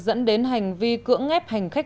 dẫn đến hành vi cưỡng ép hành khách